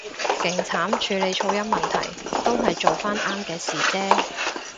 勁慘處理噪音問題，都係做返啱嘅事啫